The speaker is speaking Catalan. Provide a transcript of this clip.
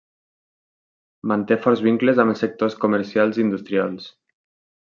Manté forts vincles amb els sectors comercials i industrials.